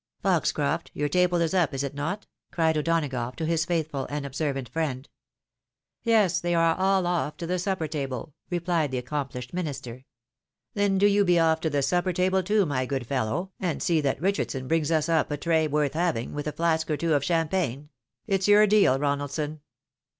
"Foxcroft! your table is up, is it not?" cried O'Dona gough, to his faithful and observant friend. "Yes! they are all off to the supper table,'' rephed the accomplished minister. " Then do you be olf to the supper table too, my good fellow, 360 TEE WIDOW MARRIED. and see that Kichardson brings us up a tray worth having, with a flasli: or two of champagne ; it's your deal, Ronaldson.